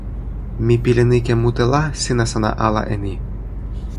mi pilin ike mute la sina sona ala e ni.